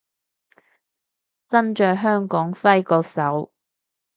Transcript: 身在香港揮個手